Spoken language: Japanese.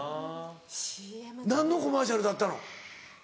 何のコマーシャルだったの？